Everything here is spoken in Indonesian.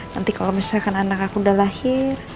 nanti kalau misalkan anak aku udah lahir